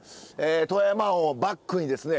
富山湾をバックにですね